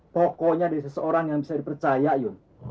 pokoknya dari seseorang yang bisa dipercaya yuk